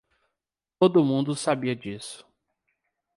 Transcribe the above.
Todo mundo sabia disso.